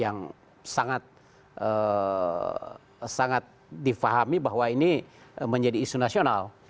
yang sangat difahami bahwa ini menjadi isu nasional